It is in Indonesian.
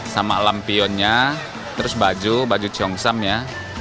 sama lampionnya terus baju baju ciong sam ya